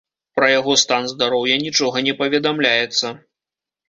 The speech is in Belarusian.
Пра яго стан здароўя нічога не паведамляецца.